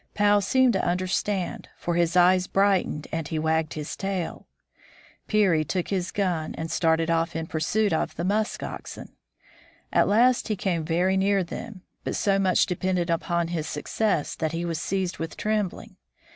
Pau seemed to understand, for his eyes brightened and he wagged his tail. Peary took his gun and started off in pursuit of the musk oxen. At last he came very near them, but so much depended upon his success that he was seized with trem bling.